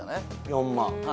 ４万。